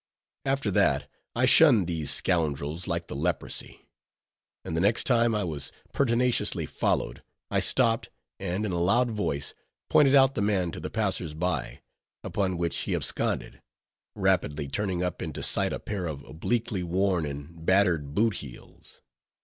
After that, I shunned these scoundrels like the leprosy: and the next time I was pertinaciously followed, I stopped, and in a loud voice, pointed out the man to the passers by; upon which he absconded; rapidly turning up into sight a pair of obliquely worn and battered boot heels.